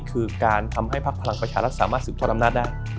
คือการทำให้ภักดิ์พลังประชารัฐสามารถสืบทอดอำนาจได้